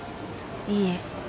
いいえ。